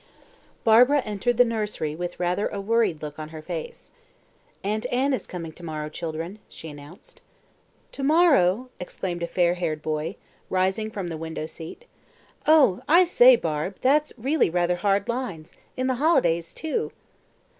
Barbara entered the nursery with rather a worried look on her face. "Aunt Anne is coming to morrow, children," she announced. "To morrow!" exclaimed a fair haired boy, rising from the window seat. "Oh, I say, Barbe, that's really rather hard lines in the holidays, too."